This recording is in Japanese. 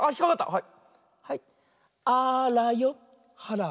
はい。